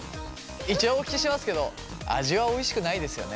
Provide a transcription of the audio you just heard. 一応お聞きしますけど味はおいしくないですよね？